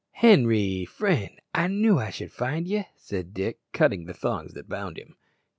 "Henri, friend, I knew I should find ye," said Dick, cutting the thongs that bound him.